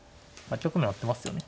局面合ってますよね？